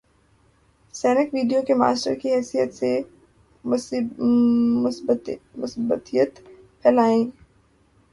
Snack video کے master کی حیثیت سے ، مثبتیت پھیلائیں۔